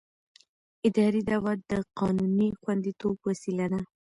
اداري دعوه د قانوني خوندیتوب وسیله ده.